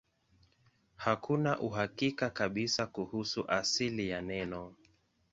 Hakuna uhakika kabisa kuhusu asili ya neno.